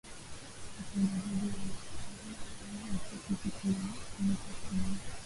usambazaji wa nasaba ya misitu kila mita kumi